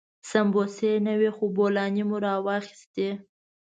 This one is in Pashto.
سمبوسې نه وې خو بولاني مو واخيستې.